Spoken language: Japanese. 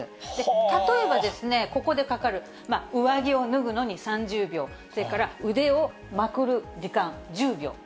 例えば、ここでかかる上着を脱ぐのに３０秒、それから腕をまくる時間１０秒と。